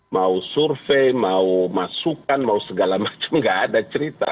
mau survei mau masukan mau segala macam gak ada cerita